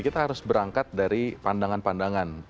kita harus berangkat dari pandangan pandangan